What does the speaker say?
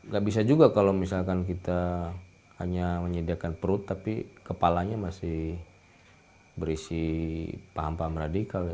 gak bisa juga kalau misalkan kita hanya menyediakan perut tapi kepalanya masih berisi paham paham radikal ya